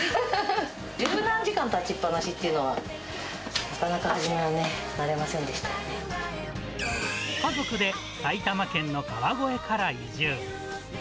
十何時間立ちっ放しっていうのはね、なかなか初めはね、慣れませ家族で埼玉県の川越から移住。